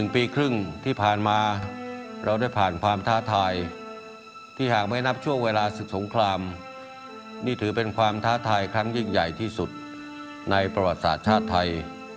ปีครึ่งที่ผ่านมาเราได้ผ่านความท้าทายที่หากไม่นับช่วงเวลาสุดสงครามนี่ถือเป็นความท้าทายครั้งยิ่งใหญ่ที่สุดในประวัติศาสตร์ชาติไทย